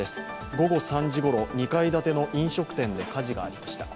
午後３時ごろ、２階建ての飲食店で火事がありました。